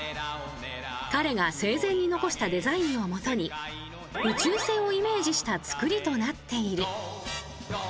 彼が生前に残したデザインをもとに宇宙船をイメージしたつくりとなっている。